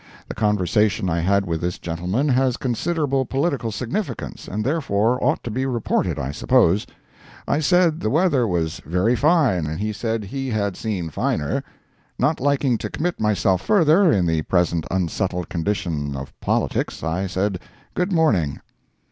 The conversation I had with this gentleman has considerable political significance, and therefore ought to be reported, I suppose. I said the weather was very fine, and he said he had seen finer. Not liking to commit myself further, in the present unsettled condition of politics, I said good morning.